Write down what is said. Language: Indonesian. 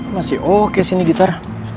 masih oke sih ini gitar